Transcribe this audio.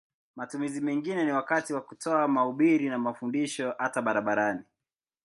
Matumizi mengine ni wakati wa kutoa mahubiri na mafundisho hata barabarani.